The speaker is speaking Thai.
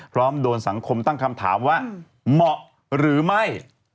โดนสังคมตั้งคำถามว่าเหมาะหรือไม่